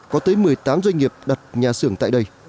có tới một mươi tám doanh nghiệp đặt nhà xưởng tại đây